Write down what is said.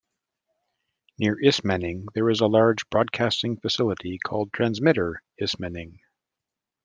Near Ismaning there is a large broadcasting facility called Transmitter Ismaning.